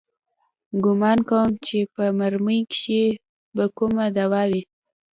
ګومان کوم چې په مرمۍ کښې به کومه دوا وه.